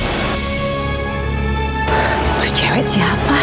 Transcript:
itu cewek siapa